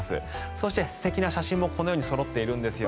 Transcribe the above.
そして、素敵な写真もこのようにそろっているんです。